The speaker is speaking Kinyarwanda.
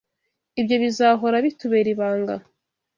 Ibyo bizahora bitubera ibanga.